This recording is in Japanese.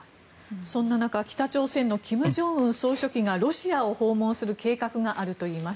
そんな中北朝鮮の金正恩総書記がロシアを訪問する計画があるといいます。